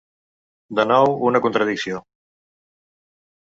De nou una contradicció.